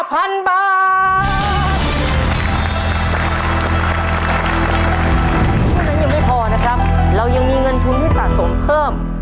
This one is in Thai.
เพราะฉะนั้นยังไม่พอนะครับเรายังมีเงินทุนให้สะสมเพิ่ม